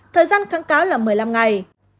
thời gian kháng cáo là một mươi năm ngày